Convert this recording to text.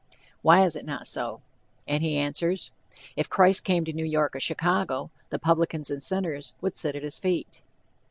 Why is it not so? And he answers: "If Christ came to New York or Chicago, the publicans and sinners would sit at his feet."